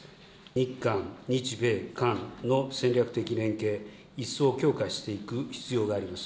日韓、日米韓の戦略的連携、一層強化していく必要があります。